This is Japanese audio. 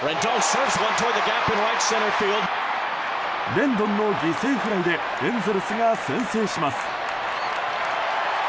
レンドンの犠牲フライでエンゼルスが先制します。